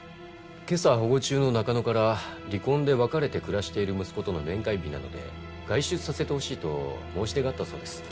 今朝保護中の中野から離婚で別れて暮らしている息子との面会日なので外出させてほしいと申し出があったそうです。